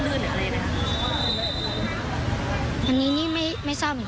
คือถ้ากลุ่มนี้คือไม่ได้กลับมาถึง